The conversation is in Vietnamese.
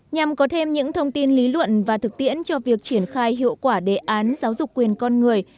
nhằm có thêm những thông tin lý luận và thực tiễn cho việc triển khai hiệu quả đề án giáo dục quyền con người